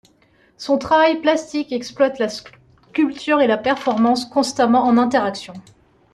Son travail plastique exploite la sculpture et la performance, constamment en interaction.